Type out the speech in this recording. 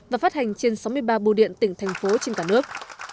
và phát hành trên sáu mươi ba bưu điện tỉnh thành phố trên cả nước